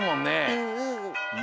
うんうん。